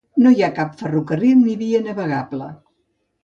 No hi ha cap ferrocarril ni via navegable.